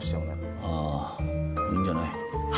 ああいいんじゃない。